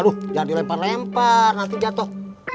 aduh jangan dilempar lempar nanti jatuh